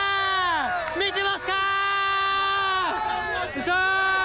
見てますか？